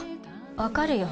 分かるよ。